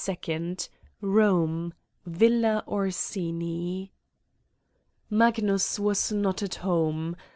Borne, Villa Orsini. MAGNUS was not at home.